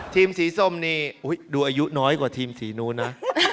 สีส้มนี่ดูอายุน้อยกว่าทีมสีนู้นนะ